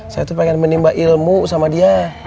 saya tuh pengen menimba ilmu sama dia